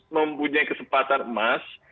mempunyai kesempatan emas